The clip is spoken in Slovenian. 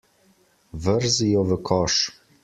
Vrzi jo v koš.